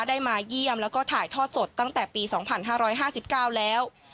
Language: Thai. ได้มาเยี่ยมแล้วก็ถ่ายทอดสดตั้งแต่ปี๒๕๕๙แล้ว